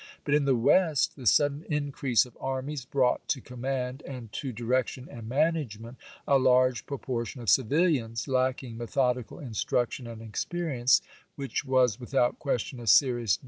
But in the West the sudden increase of armies brought to command, and to direction and management, a large propor tion of civilians, lacking methodical instruction and LINCOLN DIEEOTS COOPERATION 105 experience, which was without question a serious chap.